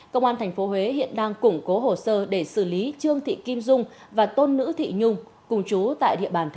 công an tp huế hiện đang củng cố hồ sơ để xử lý trương thị kim dung và tôn nữ thị nhung cùng chú tại địa bàn